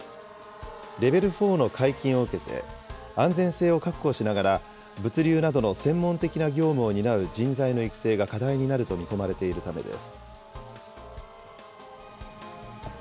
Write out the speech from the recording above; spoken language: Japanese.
レベル４の解禁を受けて、安全性を確保しながら、物流などの専門的な業務を担う人材の育成が課題になると見込まれているためです。